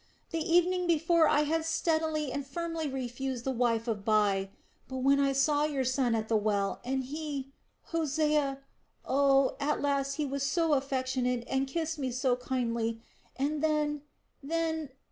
The evening before I had steadily and firmly refused the wife of Bai. But when I saw your son at the well and he, Hosea.... Oh, at last he was so affectionate and kissed me so kindly... and then then....